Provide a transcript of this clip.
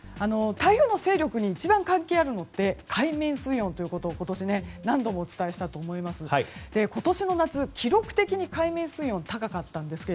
台風の勢力に一番関係あるのって海面水温ということを今年、何度もお伝えしたと思いますが今年の夏は記録的に海面水温が高かったんですが